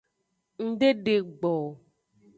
Ng de degbo o.